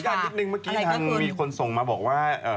นิดนึงเมื่อกี้ทางมีคนส่งมาบอกว่า